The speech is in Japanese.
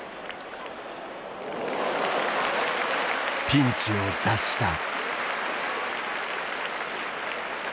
ピンチを脱した。